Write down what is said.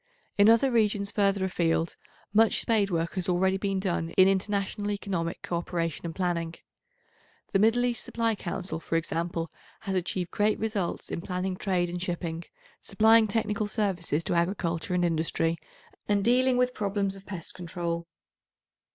In other regions further a field, much spade work has already been done in international economic co operation and planning. The Middle East Supply Council, for example, has achieved great results in planning trade and shipping, supplying technical services to agriculture and industry and dealing with problems of pest control.